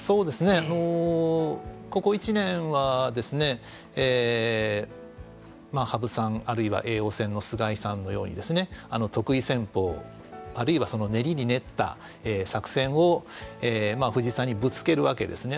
ここ１年は羽生さん、あるいは叡王戦の菅井さんのように得意戦法あるいは練りに練った作戦を藤井さんにぶつけるわけですね。